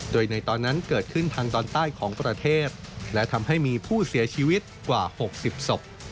โดยในตอนนั้นเกิดขึ้นทางตอนใต้ของประเทศและทำให้มีผู้เสียชีวิตกว่า๖๐ศพ